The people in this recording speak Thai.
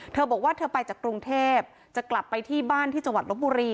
เธอบอกว่าเธอไปจากกรุงเทพจะกลับไปที่บ้านที่จังหวัดลบบุรี